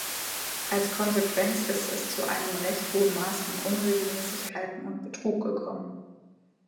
Als Konsequenz ist es zu einem recht hohen Maß an Unregelmäßigkeiten und Betrug gekommen.